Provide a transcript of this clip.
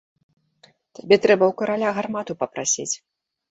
Табе трэба ў караля гармату папрасіць!